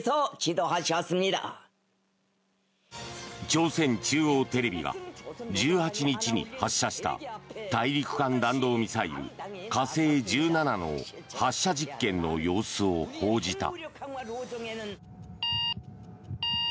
朝鮮中央テレビが１８日に発射した大陸間弾道ミサイル、火星１７の発射実験の様子を報じた。